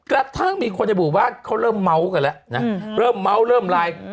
กระทั่งมีคนในหมู่บ้านเขาเริ่มเมาะกันล่ะเริ่มเมาะเริ่ม